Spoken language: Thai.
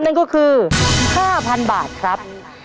นั่นก็คือ๕๐๐๐บาทครับ